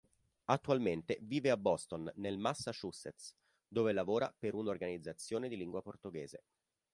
Attualmente vive a Boston, nel Massachusetts, dove lavora per un'organizzazione di lingua portoghese.